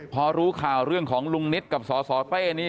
พอรู้ข่าวเรื่องของลุงนิตกับสสเต้นี่